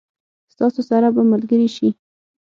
ستاسو سره به ملګري شي.